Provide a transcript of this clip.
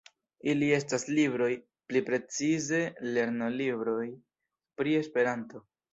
Ili estas libroj, pli precize lernolibroj, pri Esperanto.